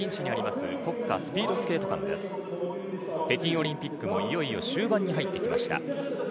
北京オリンピックもいよいよ終盤に入ってきました。